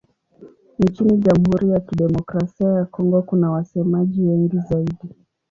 Nchini Jamhuri ya Kidemokrasia ya Kongo kuna wasemaji wengi zaidi.